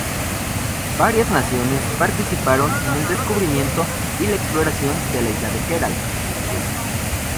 Varias naciones participaron en el descubrimiento y la exploración de la isla de Herald.